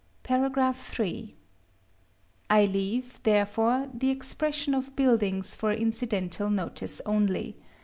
§ III. I leave, therefore, the expression of buildings for incidental notice only.